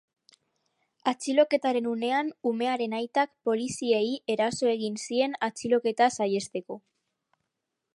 Atxiloketaren unean umearen aitak poliziei eraso egin zien atxiloketa saihesteko.